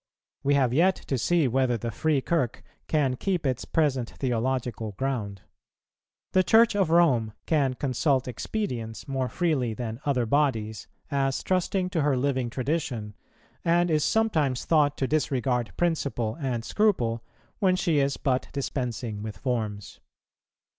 We have yet to see whether the Free Kirk can keep its present theological ground. The Church of Rome can consult expedience more freely than other bodies, as trusting to her living tradition, and is sometimes thought to disregard principle and scruple, when she is but dispensing with forms.